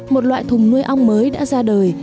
một loại thùng nuôi ong mới đã ra đời